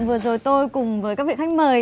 vừa rồi tôi cùng với các vị khách mời